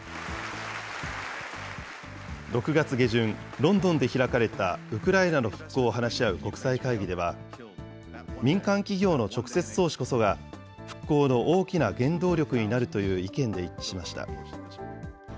６月下旬、ロンドンで開かれたウクライナの復興を話し合う国際会議では、民間企業の直接投資こそが、復興の大きな原動力になるという意見で一致しました。